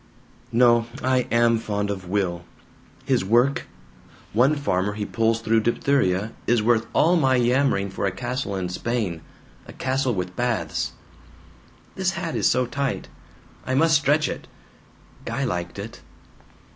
"No. I am fond of Will. His work one farmer he pulls through diphtheria is worth all my yammering for a castle in Spain. A castle with baths. "This hat is so tight. I must stretch it. Guy liked it.